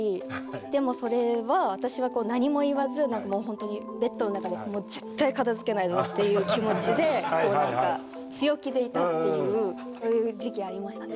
でもそれは私は何も言わず何かもう本当にベッドの中でもう絶対片づけないぞ！っていう気持ちでこう何か強気でいたっていうそういう時期ありましたね。